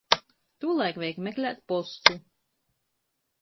Tūlaik vajag meklēt postu.